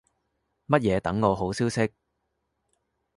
乜嘢等我好消息